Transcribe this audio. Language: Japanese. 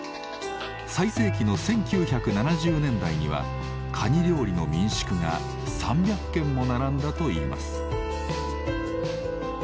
最盛期の１９７０年代にはカニ料理の民宿が３００軒も並んだといいます。